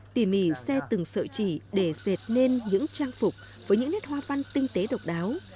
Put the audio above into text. tỉ mỉ xe từng sợi chỉ để dệt nên những trang phục với những nét hoa văn tinh tế độc đáo